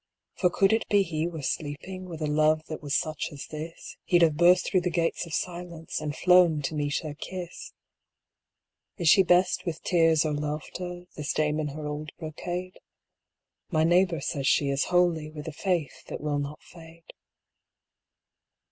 "For could it be he were sleeping. With a love that was such as this He'd have burst through the gates of silence, And flown to meet her kiss." Is she best with tears or laughter, This dame in her old brocade? My neighbour says she is holy, With a faith that will not fade.